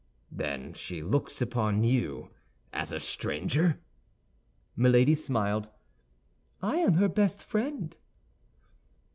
"Then she looks upon you as a stranger?" Milady smiled. "I am her best friend."